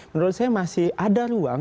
menurut saya masih ada ruang